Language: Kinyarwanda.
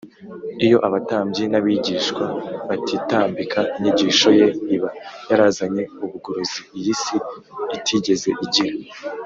. Iyo abatambyi n’abigisha batitambika, inyigisho Ye iba yarazanye ubugorozi iyi si itigeze igira.